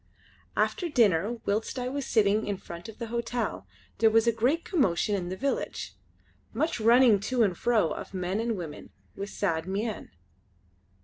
After dinner whilst I was sitting in front of the hotel, there was a great commotion in the village; much running to and fro of men and women with sad mien.